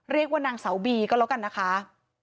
เรียกว่านางสาวบีก็แล้วกันนะคะ